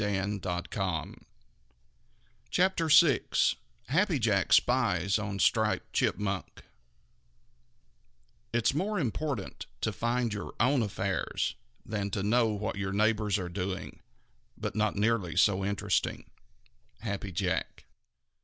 CHAPTER VI HAPPY JACK SPIES ON STRIPED CHIPMUNK It's more important to mind your own affairs than to know what your neighbors are doing, but not nearly so interesting. _Happy Jack.